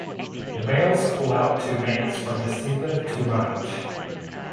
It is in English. The males call out to mates from December to March.